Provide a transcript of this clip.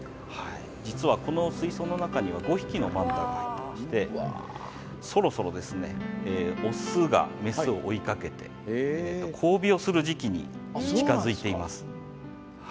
実はこの水槽の中には５匹のマンタがいましてそろそろオスがメスを追いかけて交尾をする時期に近づいています。